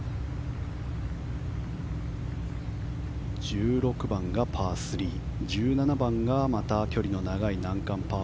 １６番がパー３１７番が距離の長い難関パー